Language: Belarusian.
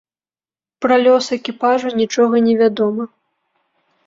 Пра лёс экіпажу нічога невядома.